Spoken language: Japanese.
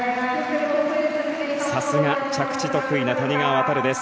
さすが、着地得意な谷川航です。